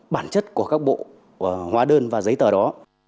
bản chất của các bộ hóa đơn và giấy tờ đó